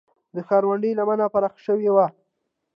د ښارونډۍ لمن پراخه شوې وه